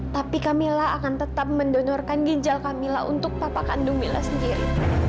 tapi camilla akan tetap mendonorkan ginjal camilla untuk papa kandung mila sendiri